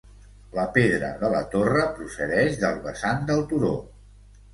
La pedra de la torre procedeix del vessant del turó.